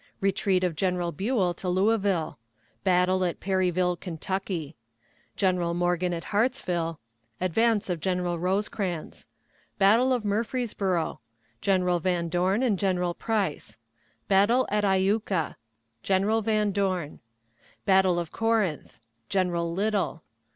Retreat of General Buell to Louisville. Battle at Perryville, Kentucky. General Morgan at Hartsville. Advance of General Rosecrans. Battle of Murfreesboro. General Van Dorn and General Price. Battle at Iuka. General Van Dorn. Battle of Corinth. General Little.